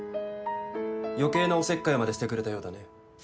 余計なおせっかいまでしてくれたようだね。